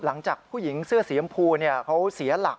หลังจากผู้หญิงเสื้อสีชมพูเขาเสียหลัก